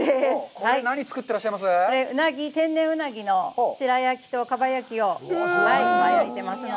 これ、天然うなぎの白焼きと、かば焼きを、焼いてますので。